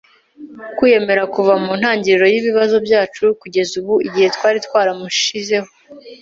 kwiyemerera kuva mu ntangiriro y'ibibazo byacu kugeza ubu, igihe twari twaramushizeho